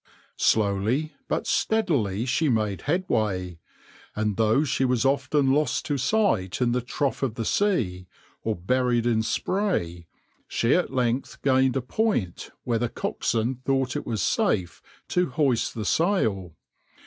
Slowly but steadily she made headway, and though she was often lost to sight in the trough of the sea, or buried in spray, she at length gained a point where the coxswain thought it was safe to hoist the sail.